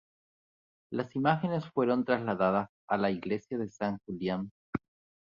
Las imágenes fueron trasladadas a la iglesia de San Julián.